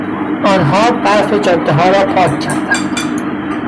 آنها برف جادهها را پاک کردند.